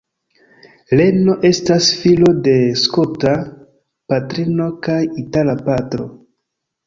Leno estas filo de skota patrino kaj itala patro.